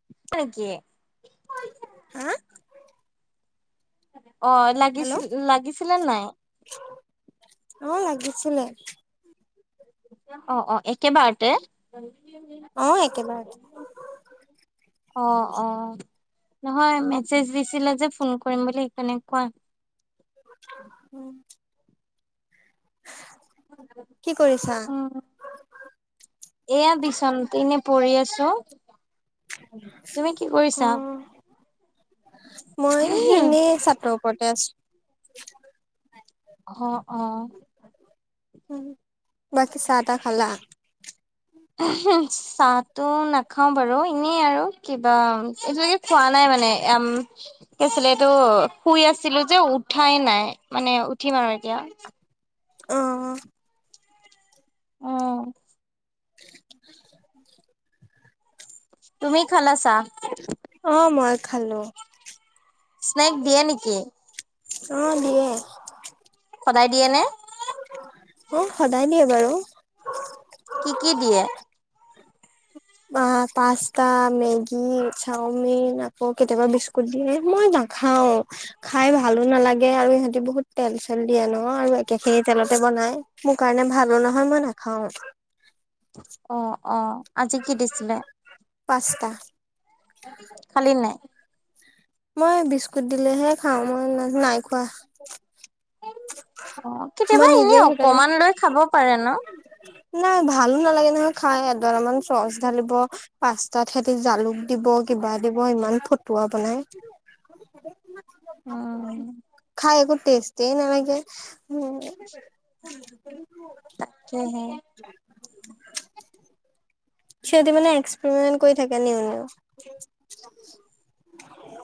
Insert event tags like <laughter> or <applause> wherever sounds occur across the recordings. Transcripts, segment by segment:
<unintelligible> হা? অ', হেল্ল' লাগিছিল লাগিছিলে নে নাই? অ', লাগিছিলে। <inaudible> অ', অ', একেবাৰতে। অ', একেবাৰতে। অ', অ', নহয় মেছেজ দিছিলে যে, ফোন কৰিম বুলি সেইকাৰণে কোৱা। উম। <unintelligible> কি কৰিছা? উম এয়া বিচনাতে এনে পৰি আছো। তুমি কি কৰিছা অ', মই এনে ছাদৰ ওপৰতে আছো। হ, অ'। উম, বাকী চাহ-টাহ খালা? চাহ টো নাখাও বাৰু এনেই আৰু কিবা এতিয়ালৈকে খোৱা নাই মানে এয়্যাম কি আছিলে এইটো, শুই আছিলো যে উঠাই নাই, মানে উঠিম আৰু এতিয়া। অ', অ'। উম। তুমি খালা চাহ? অ', মই খালো। স্নেক দিয়ে নিকি? অ', দিয়ে। সদায় দিয়ে নে? উম, সদায় দিয়ে বাৰু। কি-কি দিয়ে? আ, পাস্তা, মেগী, চাওমিন আকৌ কেতিয়াবা বিস্কুট দিয়ে, মই না খাওঁ। খাই ভালো নালাগে আৰু সিহঁতি বহুত তেল-চেল দিয়ে ন' আৰু একে খিনি তেলতে বনাই। মোৰ কাৰণে ভালো নহয়, মই নাখাও। অ', অ', আজি কি দিছিলে? পাস্তা খালি নাই? মই বিস্কুত দিলেহে খাও মই না-নাই খোৱা। অ', কেতিয়াবা মই এনে নিজে সেইকাৰণে অকমান লৈ খাব পাৰে ন'! নাই ভালো নালাগে নহয় খাই এডলামান চচ ঢালিব, পাস্তাত সিহেতি জালুক দিব কিবা দিব ইমান ফটুৱা বনাই। উম, খাই একো টেষ্টে নালাগে। উম <unintelligible> তাকেহে। সিহঁতি মানে এক্সপেৰিমেট কৰি থাকে নিও-নিও। <unintelligible>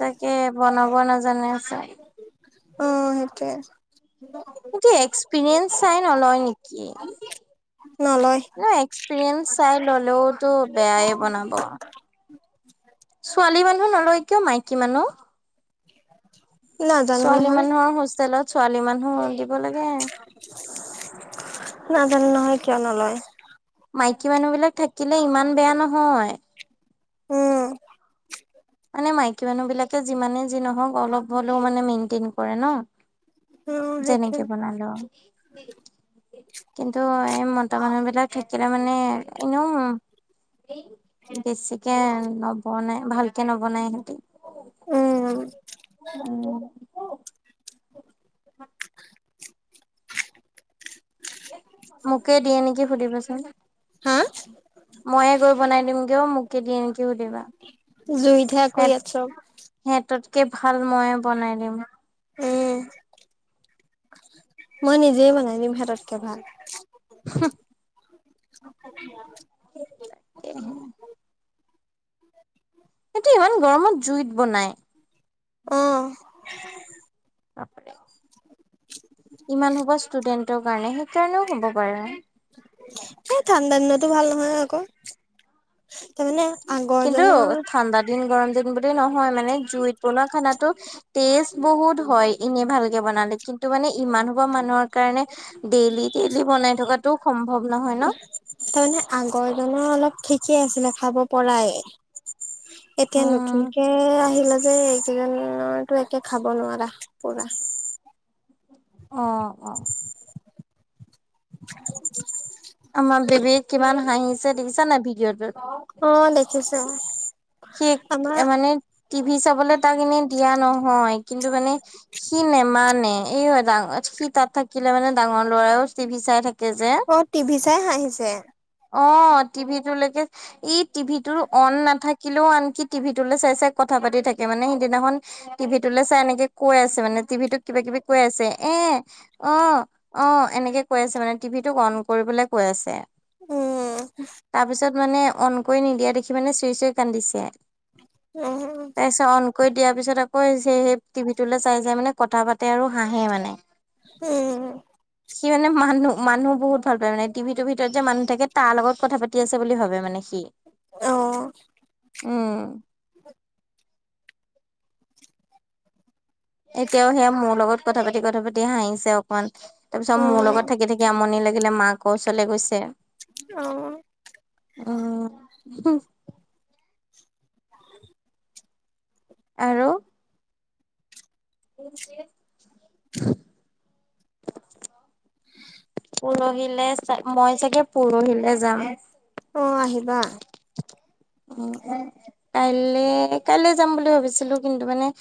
তাকে বনাব নাজানে চাই। উম, সেটোৱে। সিহঁতে এক্সপৰিয়েঞ্চ চাই নলয় নিকি, নলয় ন'এক্স পিৰিয়েঞ্চ চাই ল'লেওঁতো বেয়াই বনাব। ছোৱালী মানুহ নলয় কিয়, মাইকী মানুহ। নাজানো ছোৱালী নহয় মানুহৰ হোষ্টেলত ছোৱালী মানুহ দিব লাগে। নাজানো নহয় কিয় নলয়। মাইকী মানুহ বিলাক থাকিলে ইমান বেয়া নহয়। উম। মানে মাইকী মানুহ বিলাকে যিমানে যি নহওঁক, অলপ হলেও মানে মেইনটেইন কৰে ন' উম সেইটোৱে যেনেকে বনালেওঁ। কিন্তু এই মতা মানুহ বিলাক থাকিলে মানে, এনেওঁ বেছিকে নবনাই ভাল কে নবনাই নিকি, উম উম। মোকেই দিয়ে নিকি সুধিবাচোন। হা মইয়ে গৈ বনাই দিমগে, অ' মোকে দিয়ে নিকি সুধিবা। জুইতহে আকৌ ইয়াত চব সিহঁতকে ভাল ময়ে বনাই দিম। উম। মই নিজেই বনাই দিম সেততঁকে ভাল। <unintelligible> <inaudible> তাকেহে। সিহঁতে ইমান গৰমত জুইত বনাই। অ'। বাপৰে। ইমান খোপা ষ্টুডেন্টৰ কাৰণে, সেই কাৰণেওঁ হ'ব পাৰে। এ, ঠাণ্ডা দিনতো ভাল নহয় আকৌ তাৰমানে কিন্তু আগৰজনৰ ঠাণ্ডা দিন গৰম দিন বুলি নহ'য় মানে জুইত বনোৱা খানাতো টেষ্ট বহুত হ'য় এনে ভালকে বনালে, কিন্তু মানে ইমান খোপা মানুহৰ কাৰণে ডেইলি, ডেইলি বনাই থকাতটো সম্ভৱ নহয় ন। তাৰমানে আগৰ জনৰ অলপ ঠিকে আছিলে খাব পৰায়ে এতিয়া উম নতুনকে আহিলে যে এইকেইজতো একে খাব নোৱাৰা পোৰা। অ', অ'। <inaudible> আমাৰ বেবীক কিমান হাঁহিছে, দেখিছা নাই ভিডিঅ'ত? অ', দেখিছো। সে, আমাৰ মানে টিভি চাবলে তাক এনেই দিয়া নহয়, কিন্তু মানে সি নেমানে, এই ও এটা সি তাত থাকিলে মানে ডাঙৰ ল'ৰাও টিভি চাই থাকে। কেজে- অ টিভি চাই হাঁহিছে? অঁ টিভি তোলৈকে- ই টিভি টো অন নাথাকিলেও আনকি টিভি লৈ চাই-চাই কথা পাতি থাকে, মানে সেইদিনাখন- টিভি তলৈ চাই এনেকে কৈ আছে মানে টিভিটোক কিবা কিবি কৈ আছে এ- অঁ, অঁ এনেকে কৈ আছে মানে টিভিটোক অন কৰিবলৈ কৈ আছে। ওমমম তাৰপিছত মানে অন কৰি নিদিয়া দেখি মানে চুই-চুই কান্দিছে। উম এ চন- কৈ দিয়াৰ পিছত আকৌ যে সেই টিভি লৈ চাই চাই মানে কথা পাতে আৰু হাঁহে মানে। উমঁ উমঁ! সি মানে মানুহ-মানুহ বহুত ভাল পায় মানে টিভি টোৰ ভিতৰত যে মানু তাকে তাৰ লগত কথা পাতি আছে বুলি ভাবে মানে সি, অ উমঁ' এতিয়াও সেয়া মোৰ লগত কথা পাতি, কথা পাতি হাঁহিছে অকনমান, তাৰ পিছত মোৰ উম লগত থাকি থাকি আমনি লাগি। লে মাকৰ ওচলে গৈছে। অঁ! উমঁ! হো <unintelligible> আৰু। <inaudible> পৰহিলে, মই চাগে পৰহিলে যাম। অঁ আহিবা। উমঁ কাইলে কাইলে যাম বুলি ভাবিছিলো কিন্তু মানে-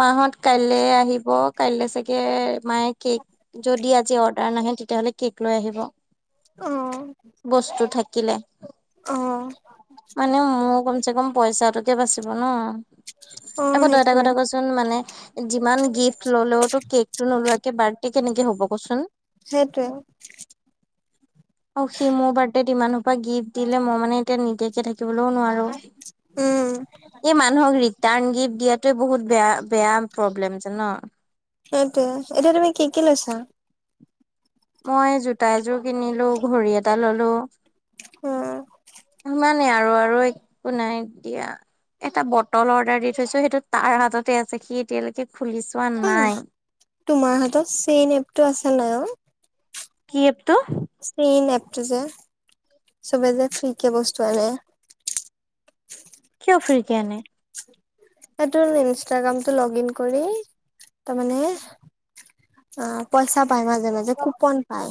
মাহত কাইলৈ আহিব কাইলৈ চাগে- মায়ে কেক, জদি অৰ্ডাৰ নাহে তেতিয়াহলে কেক লৈ আহিব। অ বস্তু থাকিলে। অঁ! মানে মোৰ কমচে-কম পইচাটোকে বাচিব ন, অ আকৌ তই এটা সেইটোৱে কথা ক ছোন। একদম মানে যিমান গিফ্ট ললেওতো কেক টো নোলোৱাকে বাৰ্ডে কেনেকে হ'ব কচোন? সেইটোৱে- অঁ সি মোৰ বাৰ্থডেত ইমানসোপ গিফ্ট দিলে মই মানে এতিয়া নিদিয়াকে থাকিবলৈও নোৱাৰো। উম! এই মানুহক ৰিটাৰ্ণ গিফ্ট দিয়াটোৱে বহুত বেয়া বেয়া প্ৰব্লেম জানঅ! সেইটোয়ে এতিয়া তুমি কি কি লৈছা? মই জোতা এযোৰ কিনিলো ঘড়ী এটা ললো ইমান! উম ইমানে আৰু আৰু আৰু একো নাই দিয়া! এটা বটল অৰ্ডাৰ দি থৈছো সেইটো তাৰ হাততে আছে সি এতিয়ালৈকে খুলি চোৱা আহ নাই! তোমাৰ হাতত চিইন এপটো আছে নাই ঔ- কি এপটো- চিইন এপটো যে চবে যে ফ্ৰীকে বস্তু আনে! কিয় ফ্ৰীকে আনে- এইটোত ইনষ্টাগ্ৰামটো লগ ইন কৰি তাৰমানে- অঁ পইচা পায় মাজে মাজে কুপন পায়!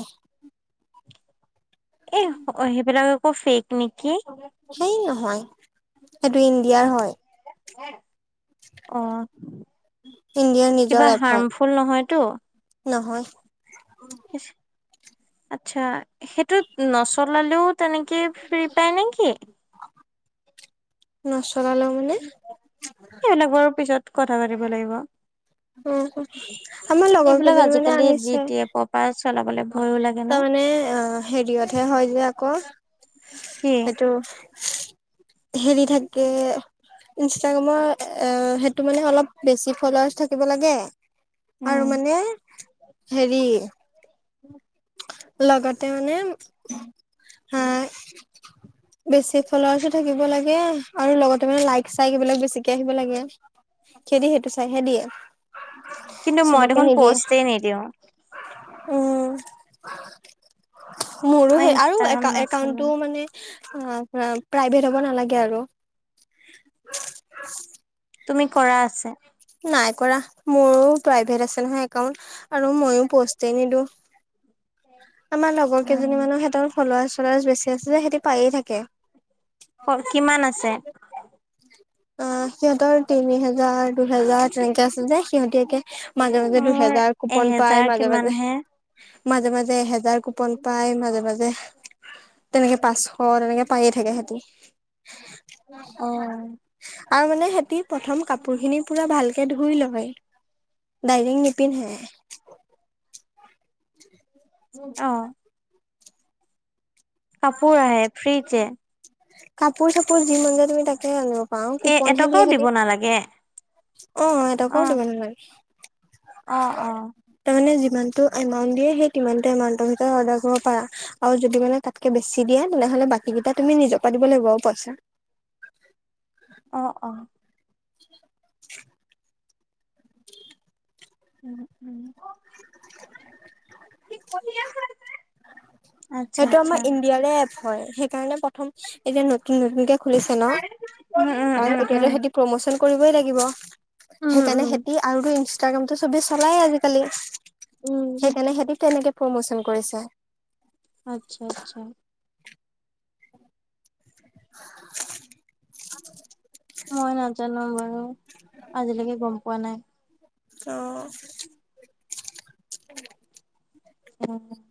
এই অঁ সেইবিলাক আকৌ ফেক নেকি- হেই নহয় সেইটো ইনদিয়াৰ হয়- অহ, ইণ্ডিয়াৰ নিজৰ কিবা এপ হয় হাৰ্মফুল নহয়তো? নহয়। <unintelligible> আচ্ছা, সেইটোত নচলালেও তেনেকৈ ফ্ৰী পায় নেকি? নচলালেও মানে! এ এইবিলাক বাৰু পিছত কথা পাতিব লাগিব। উম', হম' আমাৰ লগৰ কেইজনী মানে আনিছে। <unintelligible> চলাবলৈ ভয়। তাৰমানে অহ, হেৰিয়তহে হয় যে আকৌ, কি এইটো। <unintelligible> হেৰি থাকেগে ইনষ্টাগ্ৰামৰ এ সেইটো মানে অলপ বেছি ফলৱাৰ্চ থাকিব লাগে। উম। আৰু মানে হেৰি উম। লগতে মানে হা <inaudible> বেছি ফলৱাৰ্ছো থাকিব লাগে আৰু লগতে মানে লাইক-চাইক এইবিলাক বেছিকে আহিব লাগে। সিহঁতি সেইটো চাইহে দিয়ে। কিন্তু মই চবকে দেখোন নিদিয়ে পষ্টেই নিদিওঁ। উম। মোৰো মই সেই আৰু ইনষ্টাগ্ৰাম নচলাও। এ-একাউণ্টটোও মানে অ' প্ৰাইভেট হ'ব নালাগে আৰু। তুমি কৰা আছে। নাই কৰা, মোৰো প্ৰাইভেট আছে নহয় একাউণ্ট। আৰু মইয়ো পষ্টেই নিদিওঁ। আমাৰ লগৰ উম কেইজনী মানৰ সিহঁতৰ ফলৱাৰ্চ-চলৱাৰ্চ বেছি আছে যে সিহঁতি পায়ে থাকে। অহ, কিমান আছে? অহ, সিহঁতৰ তিনি হেজাৰ দুহেজাৰ তেনেকে আছে যে সিহঁতি একে মাজে-মাজে মোৰ দুহেজাৰ কুপন পায় এহেজাৰ কিমান মাজে-মাজে, হে মাজে-মাজে এহেজাৰ কুপন পাই মাজে-মাজে। তেনেকে পাঁচশ তেনেকে পায়ে থাকে সিহঁতে। অহ। আৰু মানে সিহঁতি প্ৰথম কাপোৰখিনি পুৰা ভালকে ধুই লয়। ডাইৰেক্ট নিপিন্ধে। <unintelligible> অহ। কাপোৰ আহে ফ্ৰীতে। কাপোৰ চাপোৰ যি মন যায় তুমি তাকে আনিব পাৰা আৰু এ কুপনহে এটকাও দিয়ে দিব সিহঁতে। নালাগে। অহ, এটকাও দিব নালাগে। অহ', অহ'। তাৰমানে যিমানটো এমাউণ্ট দিয়ে, সেই তিমান্তো এমাউণ্টৰ ভিতৰত অৰ্ডাৰ কৰিব পাৰা। আৰু যদি মানে তাতকে বেছি দিয়া তেনেহ'লে বাকী কেইটা তুমি নিজৰ পৰা দিব লাগিব আৰু পইচা। অহ', অহ'। <unintelligible> উম', উম'। অহ, দিপ সি নাই, সি কণী আছেনে? সেইটো আমাৰ ইণ্ডিয়াৰে এপ হয়। সেইকাৰণে প্ৰথম এতিয়া নতুন-নতুনকে খুলিছে নহ, উম, উম, উম, কাৰণ এতিয়াতো সেহতি। উম। প্ৰমোচন কৰিবই লাগিব। সেইকাৰণে উম, সেতি আৰু ইষ্টাগামটো চবে চলায় আজিকালি উম, উম, সেইকাৰণে সিহঁতি তেনেকে প্ৰমোচন কৰিছে। আচ্ছা, আচ্ছা <unintelligible> মই নাজানো বাৰু। আজিলেকে গম পোৱা নাই। অ <unintelligible>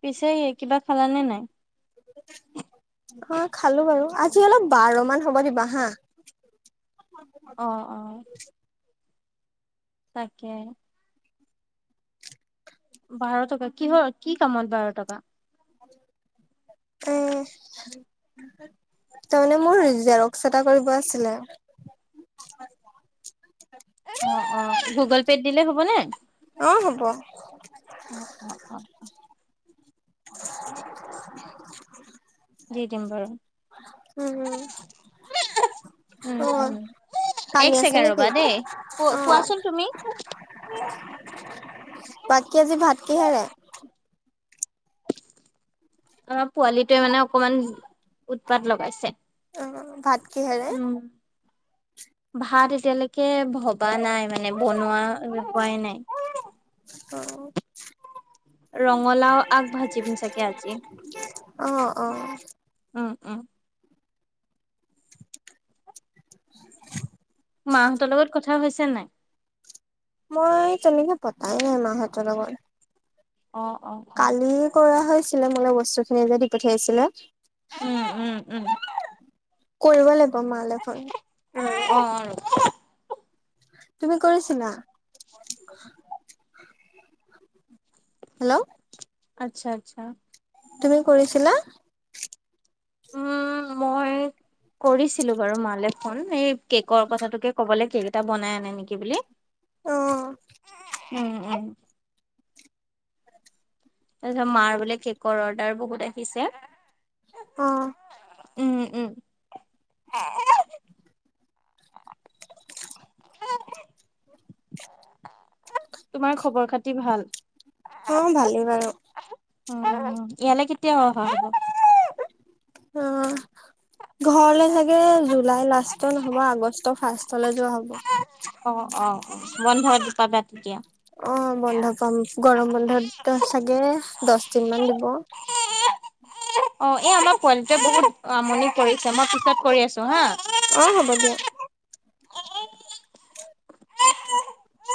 পিছে এই কিবা খালানে নাই। অ খালো বাৰু। আজি অলপ বাৰ মান হ'ব দিবা হা। অ, অ তাকে। বাৰ টকা কিহৰ কি কামত বাৰ টকা। অ তাৰমানে মোৰ জেৰক্স এটা কৰিব আছিলে। অ, অ গুগল পে'ত দিলে হ'বনে। অ, হ'ব অ, অ, অ, অ ঠিক আছে দি দিম বাৰু। উম, উম, অ উম। এক কানি আছে ছেকেণ্ড নে কি ৰ'বা দেই, কো অ কোৱাচোন তুমি? বাকী আজি ভাত কিহেৰে। অহ পোৱালিটোৱে মানে অকমান উৎপাত লগাইছে। অহ, ভাত। কিহেৰে? উম, ভাত এতিয়ালেকে ভবা নাই মানে বনোৱা হোৱাই নাই। অহ, ৰঙালাও আগ ভাজিম চাগে আজি। অ অ উম, উম <unintelligible> মাহঁতৰ লগত কথা হৈছে নাই। মই তেনেকে পতাই নাই মাহঁতৰ লগত। অ, অ অ। কালি কৰা হৈছিলে। মোনে বস্তু খিনি যে দি পঠিয়াইছিলে। উম, উম, উম কৰিব লাগিব মালে ফোন অ, অ ৰব তুমি কৰিছিলা। হেল্ল', আচ্ছা, আচ্ছা তুমি কৰিছিলা। উম মই কৰিছিলো বাৰু মালে ফোন এই কেকৰ কথাটোকে ক'বলে কেক এটা বনাই আনে নেকি বুলি অ উম উম তাৰপিছত মাৰ বোলে কেকৰ অৰ্ডাৰ বহুত আহিছে অ। উম উম, আ এ তোমাৰ খবৰ খাতি ভাল? অ ভালেই বাৰু। উম ইয়ালে কেতিয়া অহা হব‌? অ, ঘৰলে চাগে জুলাই লাষ্টত নহব আগষ্টৰ ফাৰ্ষ চলে যোৱা হ'ব। অ অ অ বন্ধ <unintelligible> তেতিয়া। অ বন্ধ পাম, গৰম বন্ধত চাগে দচদিন মান দিব। অ এই আমাৰ পোৱালীটোৱে বহুত আমনি কৰিছে মই পিছত কৰি আছো হা। অ হ'ব দিয়া। <unintelligible>